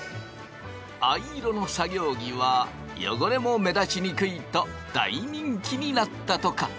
藍色の作業着は汚れも目立ちにくいと大人気になったとか。